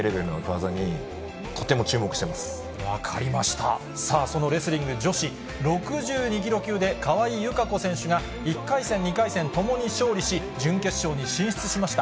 さあ、そのレスリング女子６２キロ級で、川井友香子選手が１回戦、２回戦ともに勝利し、準決勝に進出しました。